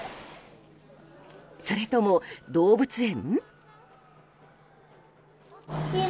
それとも動物園？